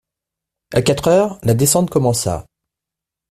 A quatre heures, la descente commença.